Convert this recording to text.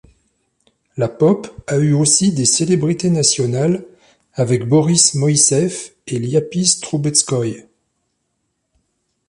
La pop a eu aussi des célébrités nationales avec Boris Moiseev et Lyapis Trubetskoy.